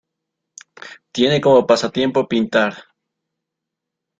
Tiene como pasatiempo pintar.